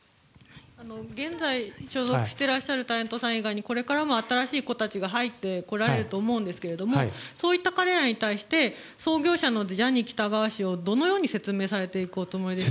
現在、所属していらっしゃるタレントさん以外に、これからも新しい子たちが入ってこられると思うんですけど、そういった彼らに対して創業者のジャニー喜多川氏をどう説明していきますか？